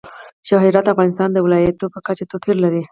جواهرات د افغانستان د ولایاتو په کچه توپیر لري.